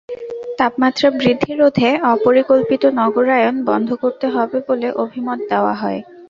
তাপমাত্রা বৃদ্ধি রোধে অপরিকল্পিত নগরায়ণ বন্ধ করতে হবে বলে অভিমত দেওয়া হয়।